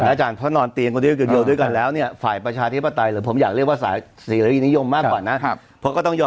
แต่วันก็มันก็แยกกันลำบากนะอาจารย์